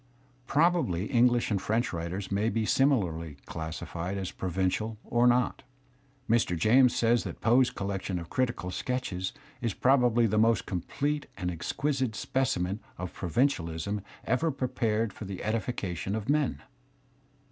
Prob ably English and French writers may be similarly classified as provincial or not. Mr. James says that Poe's collection of critical sketches "is probably the most complete and ex quisite specimen of provincicdism ever prepared for the edifi cation of men."